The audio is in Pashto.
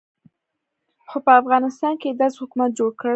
خو په افغانستان کې یې داسې حکومت جوړ کړ.